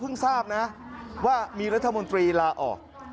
ทราบนะว่ามีรัฐมนตรีลาออก